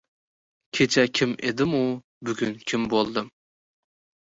Kecha kim edim-u, bugun kim bo‘ldim.